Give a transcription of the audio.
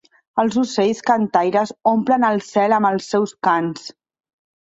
Els ocells cantaires omplen el cel amb els seus cants.